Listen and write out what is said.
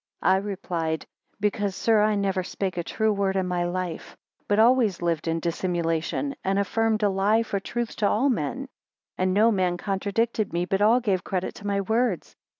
I replied, Because, sir, I never spake a true word in my life; but always lived in dissimulation, and affirmed a lie for truth to all men; and no man contradicted me, but all gave credit to my words.